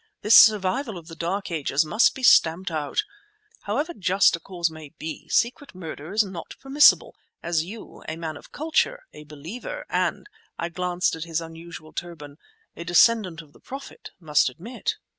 This survival of the dark ages must be stamped out. However just a cause may be, secret murder is not permissible, as you, a man of culture, a Believer, and"—I glanced at his unusual turban—"a descendant of the Prophet, must admit."